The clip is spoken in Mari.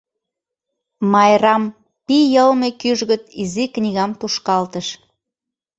Майрам пий йылме кӱжгыт изи книгам тушкалтыш.